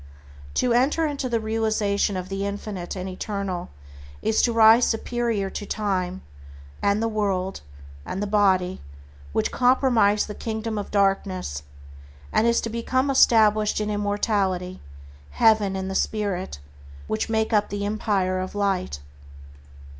To enter into a realization of the Infinite and Eternal is to rise superior to time, and the world, and the body, which comprise the kingdom of darkness; and is to become established in immortality, Heaven, and the Spirit, which make up the Empire of Light.